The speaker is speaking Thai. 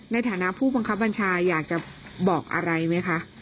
ในฐานะผู้บังคับบัญชาอยากจะบอกอะไรไหมคะ